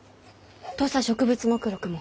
土佐植物目録も？